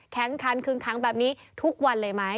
คันคึงขังแบบนี้ทุกวันเลยไหม